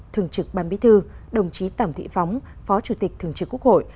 thường trực ban bí thư đồng chí tòng thị phóng phó chủ tịch thường trực quốc hội